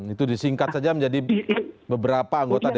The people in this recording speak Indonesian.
itu disingkat saja menjadi beberapa anggota dpr